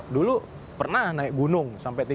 dulu pernah naik gunung sampai ke sana